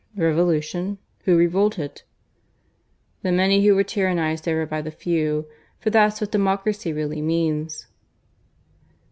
"Revolution? Who revolted?" "The many who were tyrannised over by the few. For that's what democracy really means."